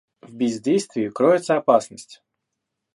В бездействии кроется опасность.